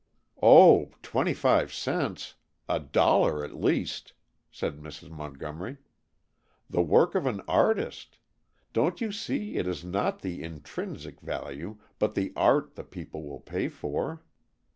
"Oh! twenty five cents! A dollar at least," said Mrs. Montgomery. "The work of an artist. Don't you see it is not the intrinsic value but the art the people will pay for?"